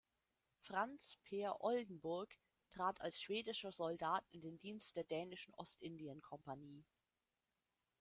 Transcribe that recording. Franz Pehr Oldenburg trat als schwedischer Soldat in den Dienst der Dänischen Ostindien-Kompanie.